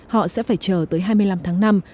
họ sẽ phải chờ tới hai mươi năm tháng năm